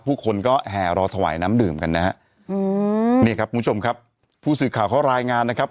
ผู้คนก็แห่รอถวายน้ำดื่มกันนะฮะอืมนี่ครับคุณผู้ชมครับผู้สื่อข่าวเขารายงานนะครับ